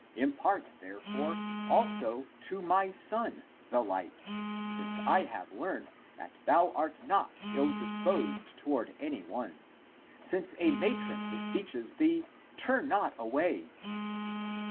Impart, therefore, also to (my) son the light, since I have learned that thou art not ill disposed toward any one: since a matron be seeches thee, turn not away."